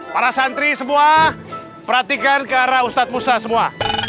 para santri semua perhatikan ke arah ustadz musta semua